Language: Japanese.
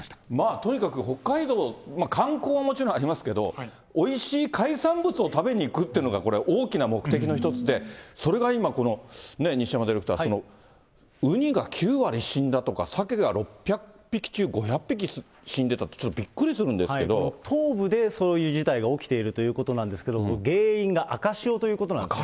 とにかく北海道、観光ももちろんありますけれども、おいしい海産物を食べに行くっていうのが、大きな目的の一つで、それが今、ねぇ、西山ディレクター、ウニが９割死んだとか、サケが６００匹中５００匹死んでたって、ちょっとびっくりするん東部でそういう事態が起きているということなんですけれども、原因が赤潮ということなんですね。